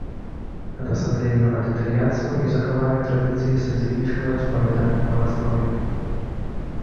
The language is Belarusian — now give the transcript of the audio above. Адасабленню ад італьянцаў і захаванню традыцый садзейнічала спавяданне праваслаўя.